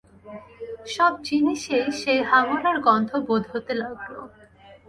সব জিনিষেই সেই হাঙ্গরের গন্ধ বোধ হতে লাগল।